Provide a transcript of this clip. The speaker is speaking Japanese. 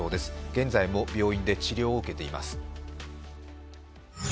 現在も病院で治療を受けています。